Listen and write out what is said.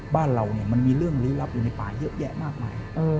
บ้านเรามันมีเรื่องลี้ลับอยู่ในป่าเยอะแยะมากมาย